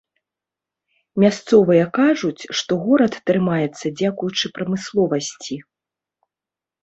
Мясцовыя кажуць, што горад трымаецца дзякуючы прамысловасці.